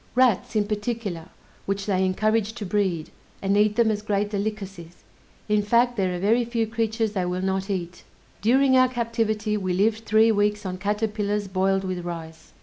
Rats in particular, which they encourage to breed, and eat them as great delicacies; in fact, there are very few creatures they will not eat. During our captivity we lived three weeks on caterpillars boiled with rice.